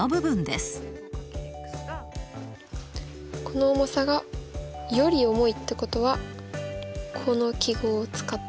この重さが「より重い」ってことはこの記号を使って表す。